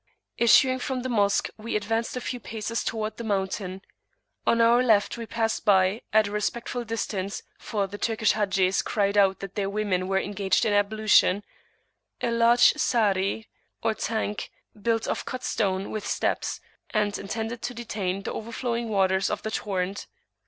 Issuing from the Mosque, we advanced a few paces towards the mountain. On our left we passed by at a respectful distance, for the Turkish Hajis cried out that their women were engaged in ablution a large Sahrij or tank, built of cut stone with steps, and intended to detain [p.430] the overflowing waters of the torrent.